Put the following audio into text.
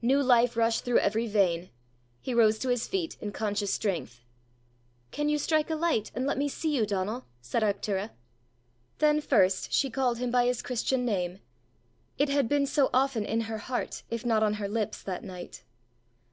New life rushed through every vein. He rose to his feet in conscious strength. "Can you strike a light, and let me see you, Donal?" said Arctura. Then first she called him by his Christian name: it had been so often in her heart if not on her lips that night!